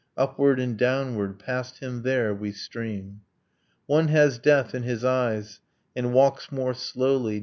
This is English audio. .. Upward and downward, past him there, we stream. One has death in his eyes: and walks more slowly.